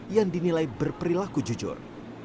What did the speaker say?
yang dinilai berperilaku jujur